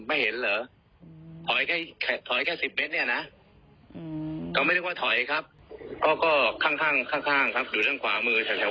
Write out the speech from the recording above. อันนี้ถ้านายพอจะทราบว่าใครอยู่เบื้องหลังเหรอ